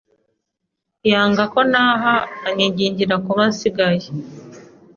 yanga ko ntaha anyingingira kuba nsigaye.